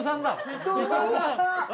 伊藤さんだ！